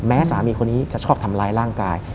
สามีคนนี้จะชอบทำร้ายร่างกาย